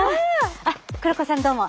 あっ黒子さんどうも。